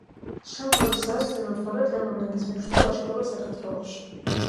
შამქორის ზავს წინ უძღვოდა თემურლენგის მეშვიდე ლაშქრობა საქართველოში.